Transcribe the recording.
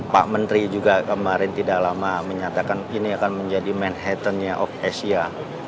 pak menteri juga kemarin tidak lama menyatakan ini akan menjadi manhattannya of asia